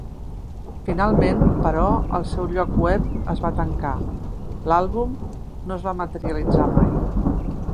Finalment, però, el seu lloc web es va tancar, l'àlbum no es va materialitzar mai.